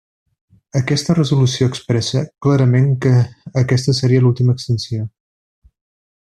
Aquesta resolució expressa clarament que aquesta seria l'última extensió.